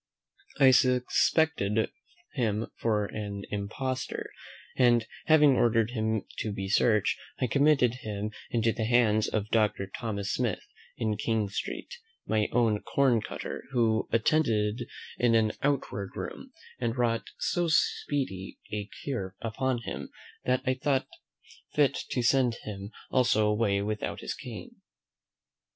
I suspected him for an impostor, and, having ordered him to be searched, I committed him into the hands of Doctor Thomas Smith in King Street, my own corn cutter, who attended in an outward room: and wrought so speedy a cure upon him, that I thought fit to send him also away without his cane.